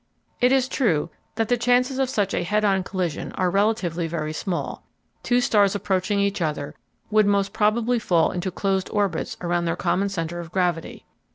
It is true that the chances of such a "head on" collision are relatively very small; two stars approaching each other would most probably fall into closed orbits around their common center of gravity.